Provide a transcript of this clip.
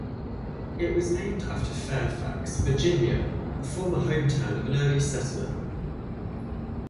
It was named after Fairfax, Virginia, the former hometown of an early settler.